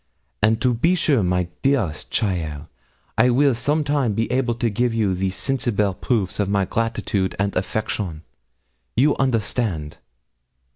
And be sure, my dearest cheaile, I will some time be able to give you the sensible proofs of my gratitude and affection you understand.